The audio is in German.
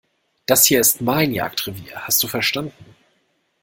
Das hier ist mein Jagdrevier, hast du verstanden?